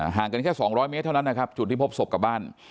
ห่างกันแค่๒๐๐เมตรเท่านั้นนะครับจุดที่พบศพกับบ้าน